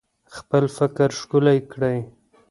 خپل فکر ښکلی کړئ